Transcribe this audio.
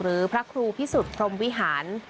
หรือพระครูพิสุทธิ์พรหมวิหาร